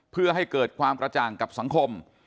เพื่อให้เกิดความกระจ่างกับสังคม